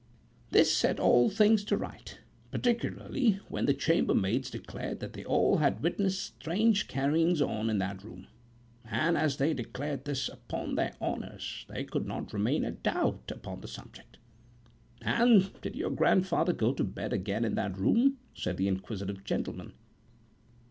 This set all things to rights, particularly when the chambermaids declared that they had all witnessed strange carryings on in that room; and as they declared this "upon their honors," there could not remain a doubt upon the subject."And did your grandfather go to bed again in that room?" said the inquisitive gentleman."